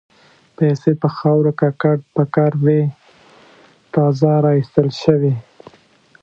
پیسې په خاورو ککړ پکر وې تازه را ایستل شوې.